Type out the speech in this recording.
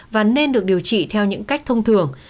và nên được điều trị theo những cách thông thường